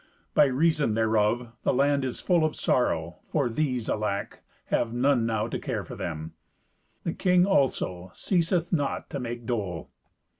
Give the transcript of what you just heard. By reason thereof the land is full of sorrow, for these, alack! have none now to care for them. The king also ceaseth not to make dole."